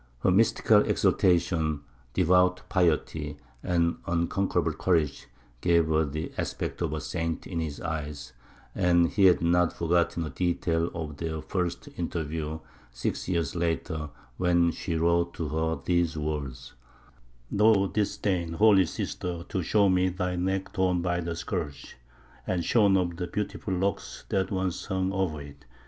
Her mystical exaltation, devout piety, and unconquerable courage, gave her the aspect of a saint in his eyes, and he had not forgotten a detail of this first interview six years later when he wrote to her these words: "Thou didst deign, holy sister, to show me thy neck torn by the scourge, and shorn of the beautiful locks that once hung over it.